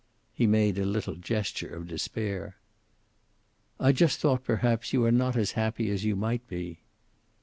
He made a little gesture of despair. "I just thought perhaps you are not as happy as you might be."